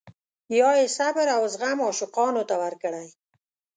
یا یې صبر او زغم عاشقانو ته ورکړی.